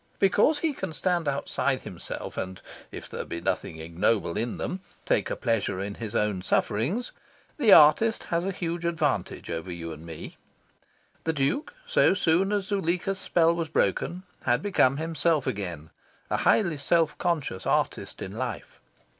Because he can stand outside himself, and (if there be nothing ignoble in them) take a pleasure in his own sufferings, the artist has a huge advantage over you and me. The Duke, so soon as Zuleika's spell was broken, had become himself again a highly self conscious artist in life.